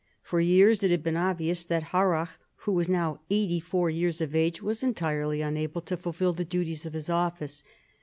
For years it had been obvious that Harrach, who was now eighty four years of age, was entirely unable to fulfil the duties of his office.